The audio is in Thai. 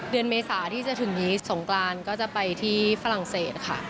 เมษาที่จะถึงนี้สงกรานก็จะไปที่ฝรั่งเศสค่ะ